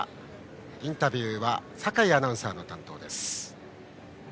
インタビューは酒井アナウンサーの担当です。